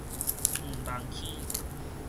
遠望坑